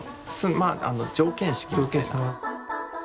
まあ条件式。